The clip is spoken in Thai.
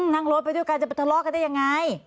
นั่งรถไปด้วยกันจะไปทะเลาะกันได้ยังไง